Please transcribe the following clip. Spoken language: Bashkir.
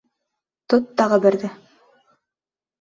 Тот тағы берҙе!